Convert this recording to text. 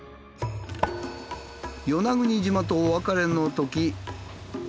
与那国島とお別れのとき。